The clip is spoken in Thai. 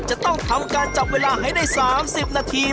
จะต้องทำการจับเวลาให้ได้๓๐นาที